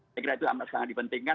saya kira itu amat sangat dipentingkan